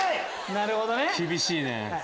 厳しいね。